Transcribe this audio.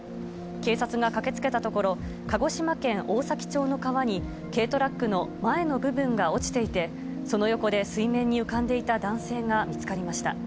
警察が駆けつけたところ、鹿児島県大崎町の川に、軽トラックの前の部分が落ちていて、その横で水面に浮かんでいた男性が見つかりました。